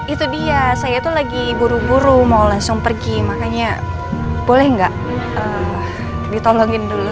itu dia saya tuh lagi buru buru mau langsung pergi makanya boleh nggak ditolongin dulu